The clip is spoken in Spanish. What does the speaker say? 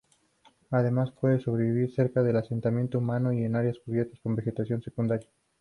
Además, puede sobrevivir cerca de asentamiento humanos y en áreas cubiertas con vegetación secundaria.